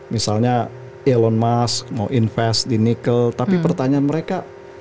misalnya elon musk mau invest di nikel tapi pertanyaan mereka